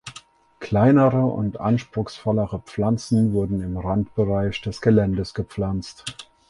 Kleinere und anspruchsvollere Pflanzen wurden im Randbereich des Geländes gepflanzt.